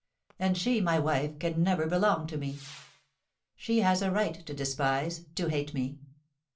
And she, my wife, can never belong to me! She has a right to despise, to hate me!